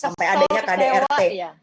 sampai adanya kdrt